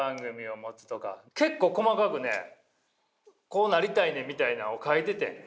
結構細かくねこうなりたいねみたいなんを書いててん。